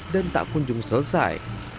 dan tak kunjung selesai